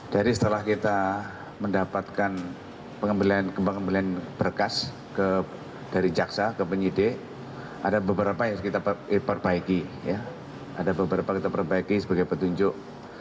dari setelah kita mendapatkan pengembalian berkas dari jaksa ke penyidik ada beberapa yang kita perbaiki sebagai petunjuk